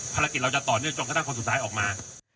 เราจะต่อเนื่องจนกระทั่งคนสุดท้ายออกมา